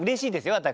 私。